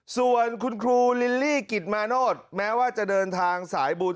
ส่วนคุณครูลิลลี่กิจมาโนธแม้ว่าจะเดินทางสายบุญ